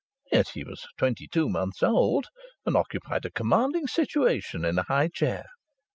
Yet he was twenty two months old, and occupied a commanding situation in a high chair!